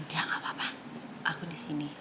ya gak apa apa aku di sini